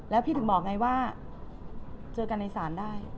แล้วพี่ถึงบอกไงว่าเจอกันในศาลได้